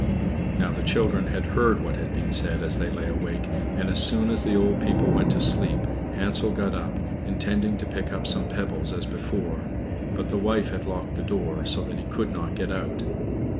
Now the children had heard what had been said as they lay awake, and as soon as the old people went to sleep Hansel got up, intending to pick up some pebbles as before; but the wife had locked the door, so that he could not get out.